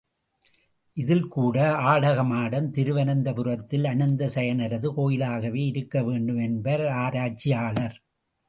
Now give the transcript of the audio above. இதில் கூட, ஆடகமாடம் திருவனந்தபுரத்திலுள்ள அனந்த சயனரது கோயிலாகவே இருக்க வேண்டும் என்பர் ஆராய்ச்சியாளர்.